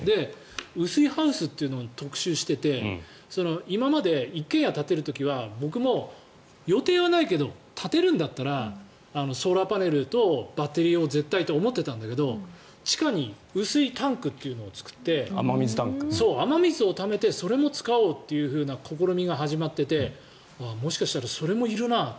雨水ハウスというのを特集していて今まで、一軒家を立てる時は僕も、予定はないけど建てるんだったらソーラーパネルとバッテリーを絶対と思ってたんだけど地下に雨水タンクを作ってそれも使おうという試みが始まっていてもしかしたらそれもいるな。